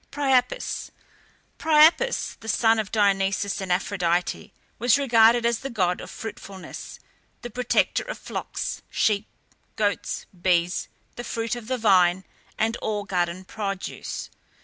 PRIAPUS. Priapus, the son of Dionysus and Aphrodite, was regarded as the god of fruitfulness, the protector of flocks, sheep, goats, bees, the fruit of the vine, and all garden produce.